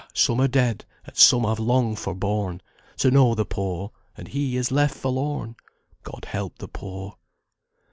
some are dead; and some have long forborne To know the poor; and he is left forlorn! God help the poor!